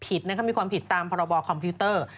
ผิดนะครับมีความผิดตามพรบคอมพิวเตอร์